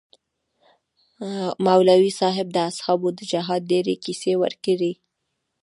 مولوي صاحب د اصحابو د جهاد ډېرې كيسې وكړې.